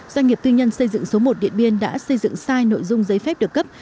doanh nghiệp tư nhân xây dựng số một điện biên đã xây dựng sai nội dung giấy phép được cấp